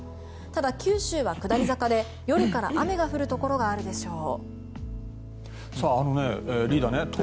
ただ、九州は下り坂で夜から雨が降るところがあるでしょう。